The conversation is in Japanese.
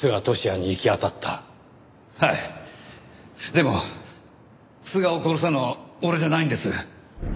でも須賀を殺したのは俺じゃないんです。